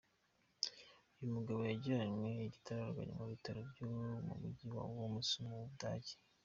Uyu mugabo yajyanywe igitaraganya mu bitaro byo mu Mujyi wa Worms wo mu Budage.